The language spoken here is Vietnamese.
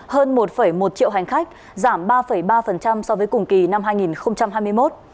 hơn một một triệu hành khách giảm ba ba so với cùng kỳ năm hai nghìn hai mươi một